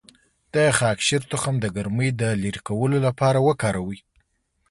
د خاکشیر تخم د ګرمۍ د لرې کولو لپاره وکاروئ